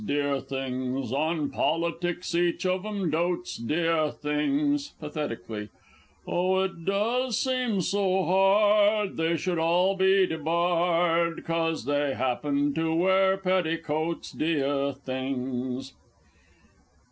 de ar things! On politics each of 'em dotes, de ar things! (Pathetically.) Oh it does seem so hard They should all be debarred, 'Cause they happen to wear petticoats, de ar things!